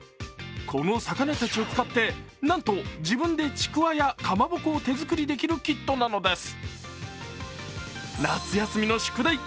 この魚たちを使って、何と自分でちくわやかまぼこを手作りできるキットなのです。